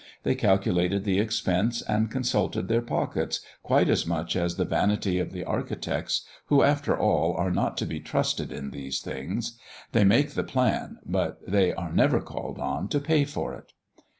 They calculated the expense, and consulted their pockets quite as much as the vanity of the architects, who, after all, are not to be trusted in these things; they make the plan, but they are never called on to pay for it.